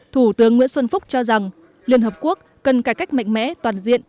thủ tướng nguyễn xuân phúc cho rằng liên hợp quốc cần cải cách mạnh mẽ toàn diện